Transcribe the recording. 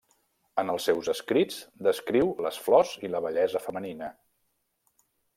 En els seus escrits descriu les flors i la bellesa femenina.